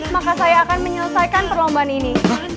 maka saya akan menyelesaikan perlombaan ini